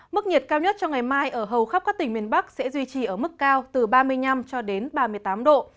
mức nhiệt cao nhất trong ngày mai ở hầu khắp các tỉnh miền bắc sẽ duy trì ở mức cao từ ba mươi năm cho đến ba mươi tám độ